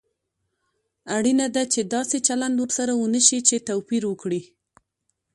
اړینه ده چې داسې چلند ورسره ونشي چې توپير وکړي.